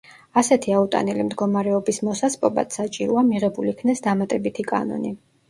ასეთი აუტანელი მდგომარეობის მოსასპობად საჭიროა მიღებულ იქნეს დამატებითი კანონი.